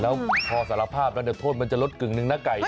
แล้วพอสารภาพแล้วโทษมันจะลดกึ่งหนึ่งนะไก่